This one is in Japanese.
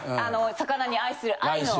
魚に愛する愛の。